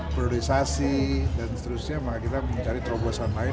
priorisasi dan seterusnya maka kita mencari terobosan lain